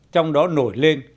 trong đó nổi lên